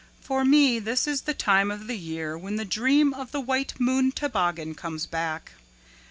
"For me this is the time of the year when the dream of the white moon toboggan comes back.